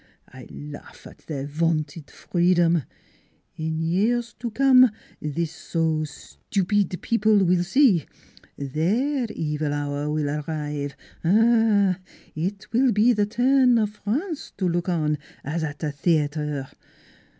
I laugh at their vaunted free dom ! In years to come this so stupid people will see ! Their evil hour will arrive ! Aha ! It will be the turn of France to look on, as at a theater !